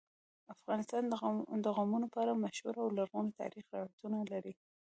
افغانستان د قومونه په اړه مشهور او لرغوني تاریخی روایتونه لري.